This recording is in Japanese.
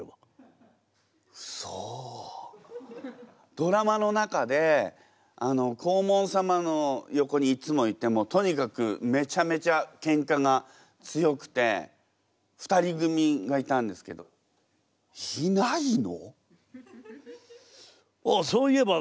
ドラマの中で黄門様の横にいつもいてとにかくめちゃめちゃケンカが強くて２人組がいたんですけどいないの？